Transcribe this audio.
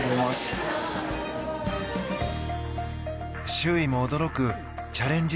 周囲も驚くチャレンジ